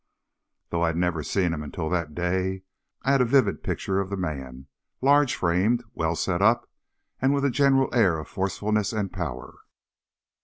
Though I had never seen him until that day, I had a vivid picture of the man, large framed, well set up, and with a general air of forcefulness and power.